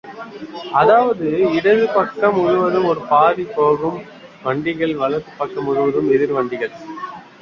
அதாவது இடது பக்கம் முழுவதும் ஒரு பாதி போகும் வண்டிகள் வலது பக்கம் முழுவதும் எதிர் வண்டிகள்.